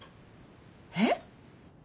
えっ？